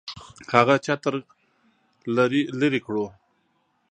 هغه چتر لري کړو.